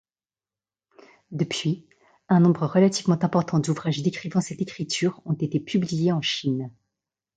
Depuis, un nombre relativement important d'ouvrages décrivant cette écriture ont été publiés en Chine.